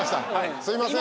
すいません。